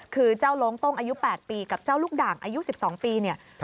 คือเจ้าโลงต้งอายุ๘ปีกับเจ้าลูกด่างอายุ๑๒ปีเนี่ย